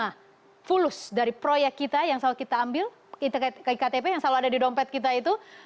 nah fulus dari proyek kita yang selalu kita ambil iktp yang selalu ada di dompet kita itu